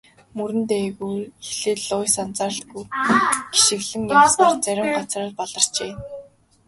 Мөрөн дээгүүр эхлээд Луис анзааралгүй гишгэлэн явснаас зарим газраар баларчээ.